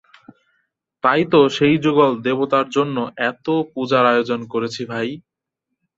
তাই তো সেই যুগল দেবতার জন্যে এত পুজোর আয়োজন করেছি ভাই!